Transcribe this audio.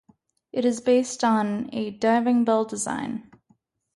It is based on a diving bell design.